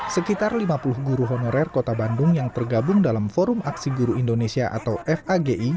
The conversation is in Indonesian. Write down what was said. sekitar lima puluh guru honorer kota bandung yang tergabung dalam forum aksi guru indonesia atau fagi